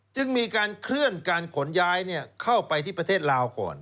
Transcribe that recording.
จึงมีการเคลื่อนการขนย้ายเข้าไปที่ประเทศลาวก่อน